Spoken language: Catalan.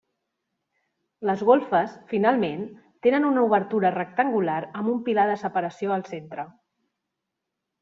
Les golfes, finalment, tenen una obertura rectangular amb un pilar de separació al centre.